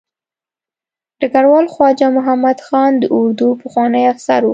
ډګروال خواجه محمد خان د اردو پخوانی افسر و.